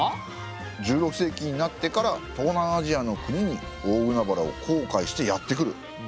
１６世紀になってから東南アジアの国に大海原を航海してやって来る？